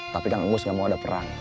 tapi kang ngus gak mau ada perang